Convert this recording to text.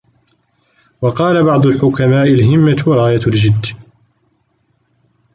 وَقَالَ بَعْضُ الْحُكَمَاءِ الْهِمَّةُ رَايَةُ الْجِدِّ